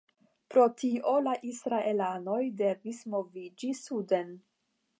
Pro tio la israelanoj devis moviĝi suden.